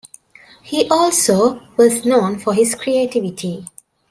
He also was known for his creativity.